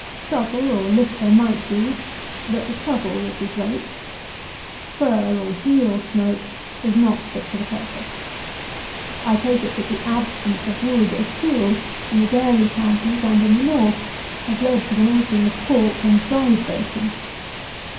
Stubble or litter might do; but the trouble would be great. Fir, or deal, smoke is not fit for the purpose. I take it, that the absence of wood, as fuel, in the dairy countries, and in the North, has led to the making of pork and dried bacon.